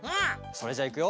それじゃあいくよ。